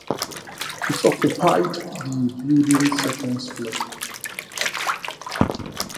It occupied the building’s second floor.